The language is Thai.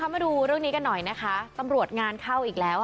มาดูเรื่องนี้กันหน่อยนะคะตำรวจงานเข้าอีกแล้ว